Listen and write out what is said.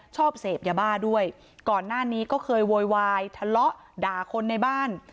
ชอบเสพยาบ้าด้วยก่อนหน้านี้ก็เคยโวยวายทะเลาะด่าคนในบ้าน